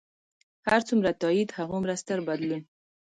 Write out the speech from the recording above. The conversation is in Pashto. هر څومره تایید، هغومره ستر بدلون.